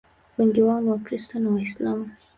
Wengi wao ni Wakristo na Waislamu.